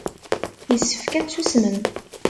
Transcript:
Yessefk ad tsusmem.